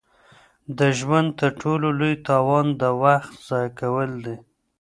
د ژوند تر ټولو لوی تاوان د وخت ضایع کول دي.